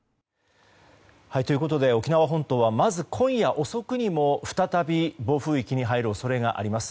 ということで沖縄本島は今夜遅くにも再び暴風域に入る恐れがあります。